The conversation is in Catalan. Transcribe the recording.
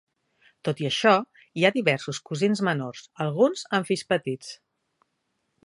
Tot i això, hi ha diversos cosins menors, alguns amb fills petits.